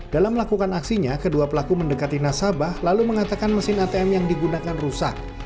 dalam melakukan aksinya kedua pelaku mendekati nasabah lalu mengatakan mesin atm yang digunakan rusak